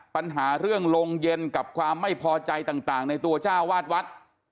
ปัญหาเรื่องโรงเย็นกับความไม่พอใจต่างในตัวเจ้าวาดวัด